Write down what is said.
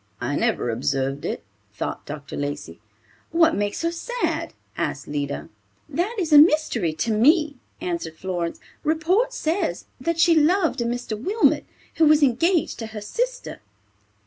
"I never observed it," thought Dr. Lacey. "What makes her sad?" asked Lida. "That is a mystery to me," answered Florence. "Report says that she loved a Mr. Wilmot, who was engaged to her sister."